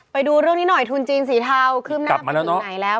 ไปดูเรื่องนี้หน่อยทุนจีนสีเทาเข้ามากี่ไม่ใหญ่แล้ว